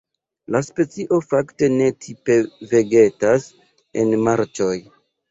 La specio fakte ne tipe vegetas en marĉoj.